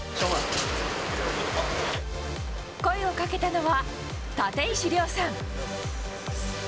声をかけたのは立石諒さん。